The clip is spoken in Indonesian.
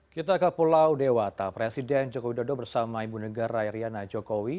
kita ke pulau dewata presiden joko widodo bersama ibu negara iryana jokowi